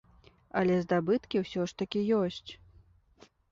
Але здабыткі усё ж такі ёсць.